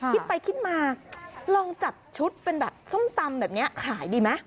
คิดไปคิดมาลองจัดชุดเป็นแบบส้มตำแบบนี้ขายดีไหม